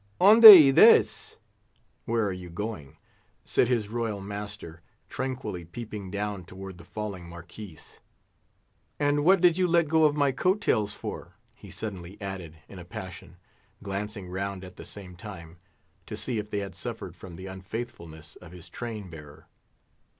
"Onde ides?" (where are you going?) said his royal master, tranquilly peeping down toward the falling Marquis; "and what did you let go of my coat tails for?" he suddenly added, in a passion, glancing round at the same time, to see if they had suffered from the unfaithfulness of his train bearer.